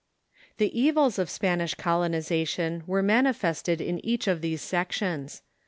The evils of Spanish colonization were manifested in each of these sections.